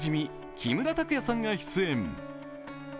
木村拓哉さんが出演。